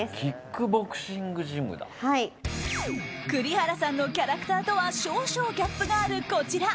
栗原さんのキャラクターとは少々ギャップがあるこちら。